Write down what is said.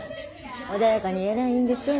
穏やかにやりゃいいんでしょ。